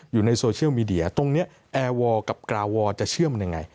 อยู่ในโซเชียลมีเดียตรงนี้แอร์วอร์กับกราวอร์จะเชื่อมยังไง